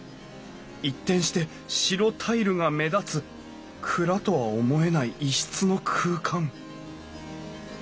一転して白タイルが目立つ蔵とは思えない異質の空間